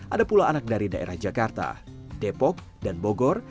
ada pula anak dari daerah jakarta depok dan bogor